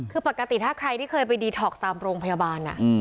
คือปกติถ้าใครที่เคยไปดีท็อกซ์ตามโรงพยาบาล